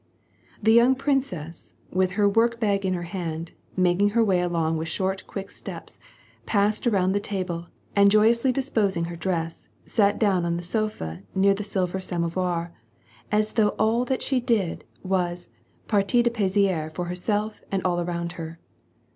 The young princess, with her workbag in her hand, making her way along with short quick steps, passed around the uble and joyously disposing her dress, sat down on the sofa near the silver samov^, as though all that she did was partie fitplaisir for herself and all around her.